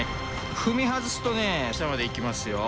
踏み外すとね下まで行きますよ。